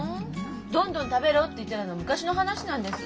「どんどん食べろ」って言ってたのは昔の話なんです。